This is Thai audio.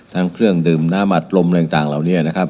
เครื่องดื่มน้ำอัดลมอะไรต่างเหล่านี้นะครับ